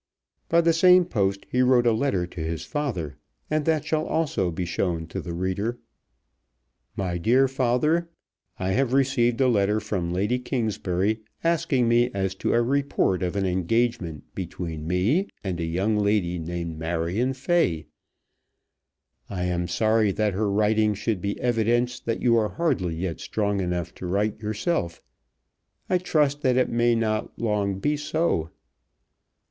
By the same post he wrote a letter to his father, and that shall also be shown to the reader. MY DEAR FATHER, I have received a letter from Lady Kingsbury, asking me as to a report of an engagement between me and a young lady named Marion Fay. I am sorry that her writing should be evidence that you are hardly yet strong enough to write yourself. I trust that it may not long be so.